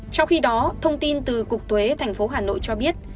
trong khi đó thông tin từ cục tuế tp hà nội cho biết